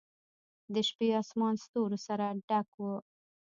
د شپې آسمان ستورو سره ډک و.